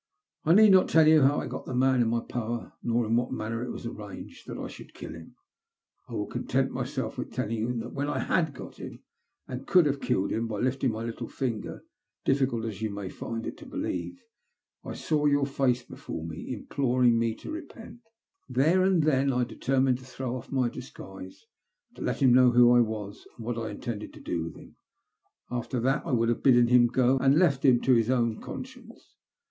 ^'I need not tell you how I got the man in my power, nor in what manner it was arranged that I should kill him. I will content myself with telling you that when I had got him, and could have kUled him by lifting my little finger, difficult as you may find it to believe it, I saw your face before me implorinff I TELL MT ST0B7. 345 me to repent. There and then I determined to throw off my disguise, to let him know who I was, and what I intended to do to him; after that I would have bidden him go, and have left him to his own conscience.